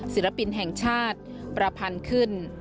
ศิลปินแห่งชาติประพันธ์ขึ้น